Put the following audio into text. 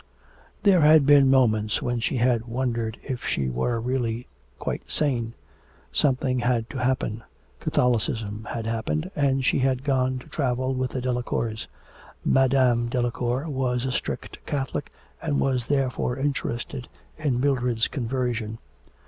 There had been moments when she had wondered if she were really quite sane. Something had to happen Catholicism had happened, and she had gone to travel with the Delacours. Madame Delacour was a strict Catholic and was therefore interested in Mildred's conversion.